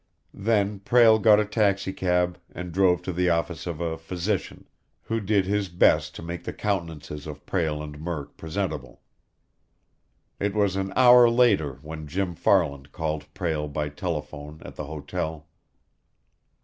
Then Prale got a taxicab, and drove to the office of a physician, who did his best to make the countenances of Prale and Murk presentable. It was an hour later when Jim Farland called Prale by telephone at the hotel.